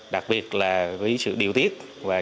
đặc biệt là với sự điều tiết